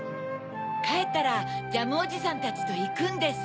かえったらジャムおじさんたちといくんです。